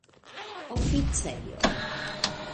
oficejo